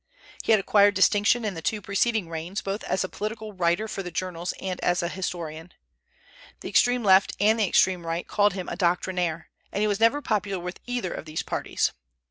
He had acquired distinction in the two preceding reigns, both as a political writer for the journals and as a historian. The extreme Left and the extreme Right called him a "Doctrinaire," and he was never popular with either of these parties.